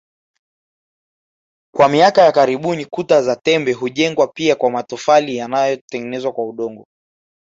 Kwa miaka ya karibuni kuta za tembe hujengwa pia kwa matofali yanayotengenezwa kwa udongo